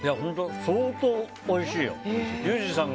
相当おいしいよ。